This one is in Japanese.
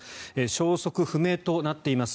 消息不明となっています